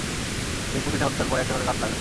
সে প্রতিটা হত্যার পর একটা করে গাছ লাগায়।